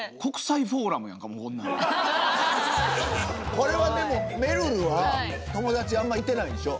これはでもめるるは友達あんまいてないんでしょ？